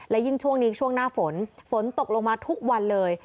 และยิ่งช่วงนี้ช่วงหน้าฝนฝนตกลงมาทุกวันเลย